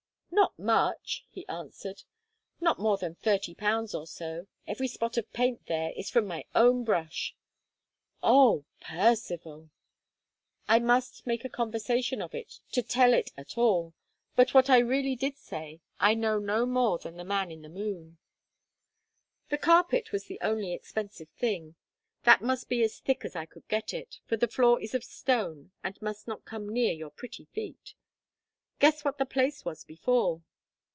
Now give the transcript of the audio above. "Not much," he answered; "not more than thirty pounds or so. Every spot of paint there is from my own brush." "O Percivale!" I must make a conversation of it to tell it at all; but what I really did say I know no more than the man in the moon. "The carpet was the only expensive thing. That must be as thick as I could get it; for the floor is of stone, and must not come near your pretty feet. Guess what the place was before."